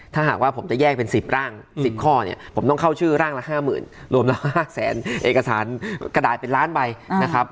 ถ้าหากว่าผมจะแยกเป็น๑๐ร่าง๑๐ข้อเนี่ยผมต้องเข้าชื่อร่างละ๕๐๐๐รวมละ๕แสนเอกสารกระดาษเป็นล้านใบนะครับ